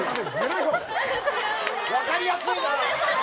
分かりやすいな！